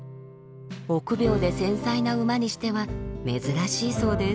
臆病で繊細な馬にしては珍しいそうです。